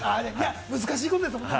難しいことですもんね。